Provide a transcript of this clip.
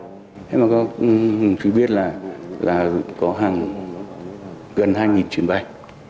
thế mà có thì biết là là có hàng gần hai chuyến bay